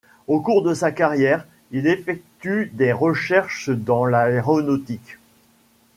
Au cours de sa carrière, il effectue des recherches dans l'aéronautique.